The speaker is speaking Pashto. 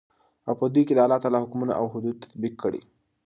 او په دوى كې دالله تعالى حكمونه او حدود تطبيق كړي .